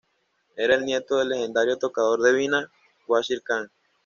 Era el nieto del legendario tocador de vina, Wazir Khan.